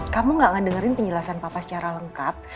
kamu gak ngedengerin penjelasan papa secara lengkap